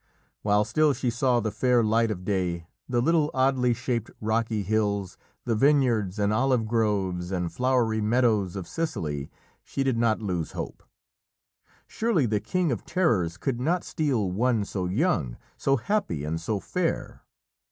While still she saw the fair light of day, the little oddly shaped rocky hills, the vineyards and olive groves and flowery meadows of Sicily, she did not lose hope. Surely the King of Terrors could not steal one so young, so happy, and so fair.